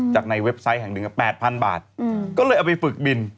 ในเว็บไซต์แห่งหนึ่ง๘๐๐๐บาทก็เลยเอาไปฝึกบิน